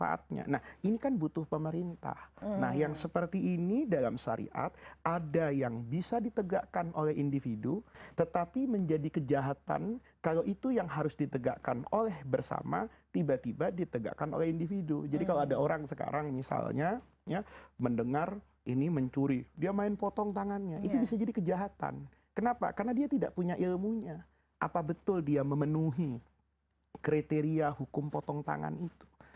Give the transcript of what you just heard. tapi kita kasih manfaatnya nah ini kan butuh pemerintah nah yang seperti ini dalam syariat ada yang bisa ditegakkan oleh individu tetapi menjadi kejahatan kalau itu yang harus ditegakkan oleh bersama tiba tiba ditegakkan oleh individu jadi kalau ada orang sekarang misalnya ya mendengar ini mencuri dia main potong tangannya itu bisa jadi kejahatan kenapa karena dia tidak punya ilmunya apa betul dia memenuhi kriteria hukum potong tangan itu